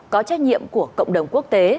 có trách nhiệm của cộng đồng quốc tế